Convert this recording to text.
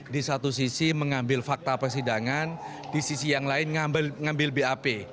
di satu sisi mengambil fakta persidangan di sisi yang lain mengambil bap